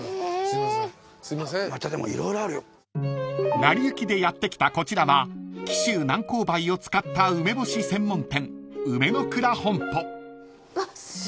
［なりゆきでやって来たこちらは紀州南高梅を使った梅干し専門店］